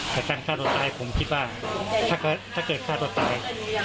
แต่จากฆาตตายผมคิดว่าถ้าเกิดฆาตตาย